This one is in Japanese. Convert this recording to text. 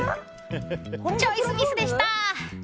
チョイスミスでした！